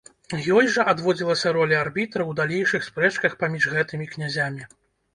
Ёй жа адводзілася роля арбітра ў далейшых спрэчках паміж гэтымі князямі.